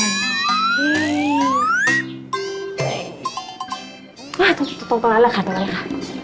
ตรงตรงนั้นแหละค่ะตรงนี้ค่ะ